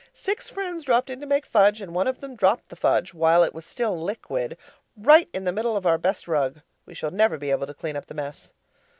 Six friends dropped in to make fudge, and one of them dropped the fudge while it was still liquid right in the middle of our best rug. We shall never be able to clean up the mess.